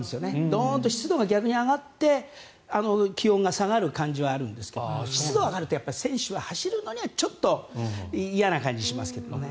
どーんと湿度が逆に上がって気温が下がる感じがあるんですけど湿度が上がると選手は走るのには嫌な感じがしますけどね。